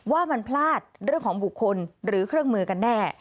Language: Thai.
ว่ามันพลาดเรื่องของบุคคลหรือเครื่องมือกันแน่